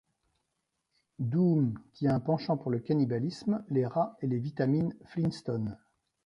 Dooom, qui a un penchant pour le cannibalisme, les rats et les vitamines Flinstones.